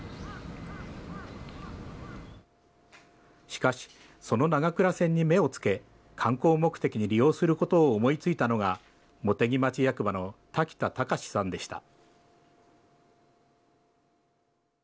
しかし、その長倉線に目を付け、観光目的に利用することを思いついたのが、茂木町役場の瀧田隆さんでした。